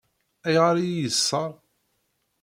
Ayɣer i yi-yeṣṣeṛ?